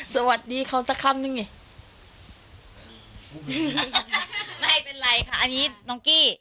สวัสดีเขาสักคำหนึ่งนี่ไม่เป็นไรค่ะอันนี้น้องกี้